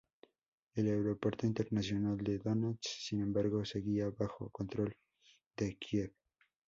El Aeropuerto Internacional de Donetsk, sin embargo, seguía bajo control de Kiev.